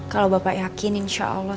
kalau bapak yakin insya allah